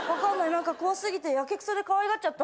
何か怖すぎてやけくそでかわいがっちゃった。